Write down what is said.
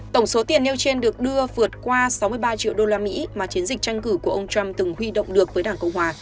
tổng số tiền nêu trên được đưa vượt qua sáu mươi ba triệu đô la mỹ mà chiến dịch tranh cử của ông trump từng huy động được với đảng cộng hòa